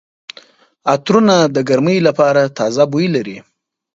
عطرونه د ګرمۍ لپاره تازه بوی لري.